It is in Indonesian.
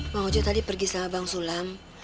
bang ojo tadi pergi sama bang sulam